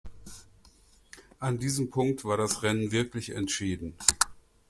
An diesem Punkt war das Rennen wirklich entschieden.